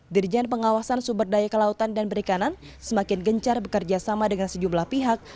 dirijen pengawasan subardaya kelautan dan perikanan semakin gencar bekerjasama dengan sejumlah pihak